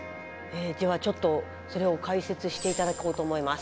ではちょっとそれを解説していただこうと思います。